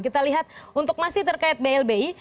kita lihat untuk masih terkait blbi